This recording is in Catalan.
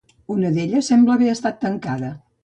Una d'elles sembla haver estat tancada.